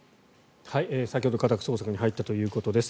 先ほど家宅捜索に入ったということです。